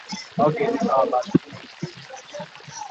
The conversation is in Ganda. Okwewa eddagala muze mubi nnyo era guvumirirwa abasawo.